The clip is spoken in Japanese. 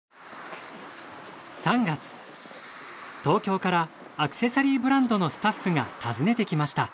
３月東京からアクセサリーブランドのスタッフが訪ねてきました。